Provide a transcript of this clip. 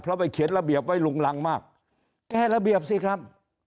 แล้วเขียนระเบียบไว้หลุงหลังมากแก้ระเบียบสิครับ